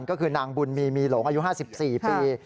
ก็คือนางบุญมีมีหลงอายุ๕๔ปี